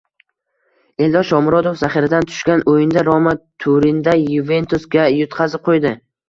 Eldor Shomurodov zaxiradan tushgan o‘yinda “Roma” Turinda “Yuventus”ga yutqazib qo‘ydi